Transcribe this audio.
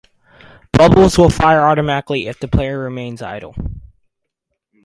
Bubbles will fire automatically if the player remains idle.